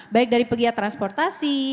baik dari pegiat transportasi